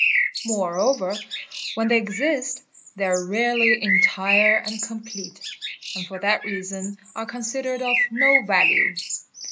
Moreover, when they exist, they are rarely entire and complete, and for that reason are considered of no value.